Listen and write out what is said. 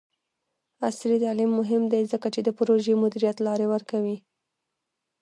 عصري تعلیم مهم دی ځکه چې د پروژې مدیریت لارې ورکوي.